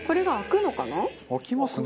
開きますね。